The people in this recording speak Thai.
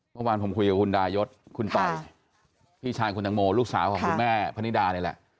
เมื่อวานผมคุยกับคุณดายศคุณต่อยพี่ชายคุณตังโมลูกสาวของคุณแม่พนิดานี่แหละ